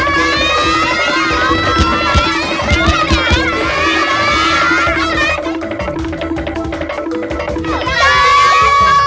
kok jadi gak ada